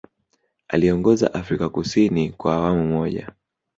Aliiongoza Afrika Kusini kwa awamu moja